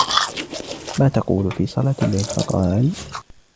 مَا تَقُولُ فِي صَلَاةِ اللَّيْلِ ؟ فَقَالَ